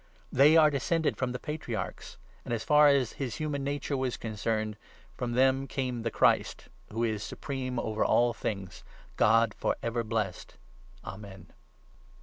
They are descended from the Patri 5 archs ; and, as far as his human nature was concerned, from them came the Christ — he who is supreme overall things, God for ever blessed. Amen.